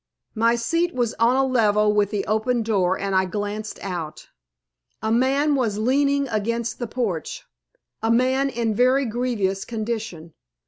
My seat was on a level with the open door, and I glanced out. A man was leaning against the porch a man in very grievous condition.